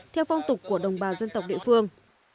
theo phong tục của đồng bào dân tộc địa phương